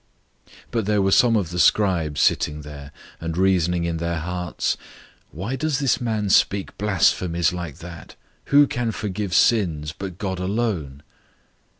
002:006 But there were some of the scribes sitting there, and reasoning in their hearts, 002:007 "Why does this man speak blasphemies like that? Who can forgive sins but God alone?"